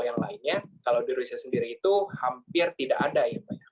hal yang lainnya kalau di rusia sendiri itu hampir tidak ada ya mbak dea